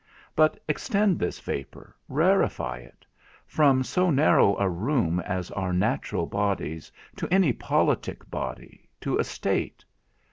But extend this vapour, rarefy it; from so narrow a room as our natural bodies, to any politic body, to a state.